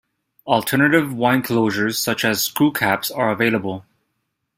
Alternative wine closures such as screw caps are available.